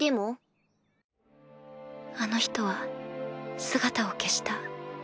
あの人は姿を消した。